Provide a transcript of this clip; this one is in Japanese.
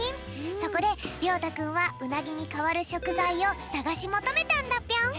そこでりょうたくんはうなぎにかわるしょくざいをさがしもとめたんだぴょん。